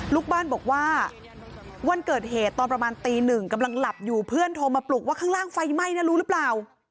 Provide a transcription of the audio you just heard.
ลูกบ้านบอกว่าวันเกิดเหตุตอนประมาณตีหนึ่งกำลังหลับอยู่เพื่อนโทรมาปลุกว่าข้างล่างไฟไหม้นะรู้หรือเปล่า